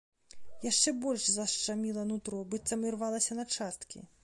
Яшчэ больш зашчаміла нутро, быццам ірвалася на часткі.